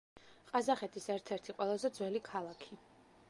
ყაზახეთის ერთ-ერთი ყველაზე ძველი ქალაქი.